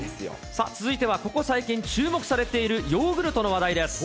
続いてはここ最近、注目されているヨーグルトの話題です。